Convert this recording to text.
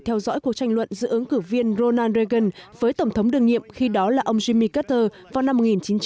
theo dõi cuộc tranh luận giữa ứng cử viên ronald reagan với tổng thống đường nhiệm khi đó là ông jimi carter vào năm một nghìn chín trăm bảy mươi